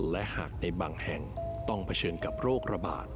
และหากในบางแห่งต้องเผชิญกับโรคระบาด